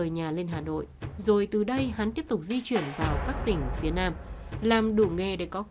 nhưng mà tôi đã thực hiện phô hợp nhân đạo